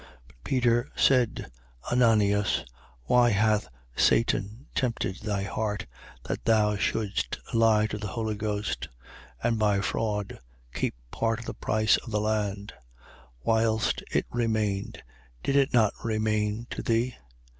5:3. But Peter said: Ananias, why hath Satan tempted thy heart, that thou shouldst lie to the Holy Ghost and by fraud keep part of the price of the land? 5:4. Whilst it remained, did it not remain to thee?